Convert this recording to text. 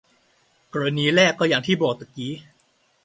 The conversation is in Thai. กรณีแรกก็อย่างที่บอกตะกี้